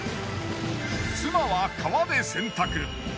妻は川で洗濯。